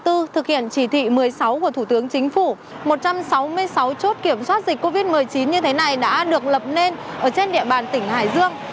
từ thực hiện chỉ thị một mươi sáu của thủ tướng chính phủ một trăm sáu mươi sáu chốt kiểm soát dịch covid một mươi chín như thế này đã được lập nên ở trên địa bàn tỉnh hải dương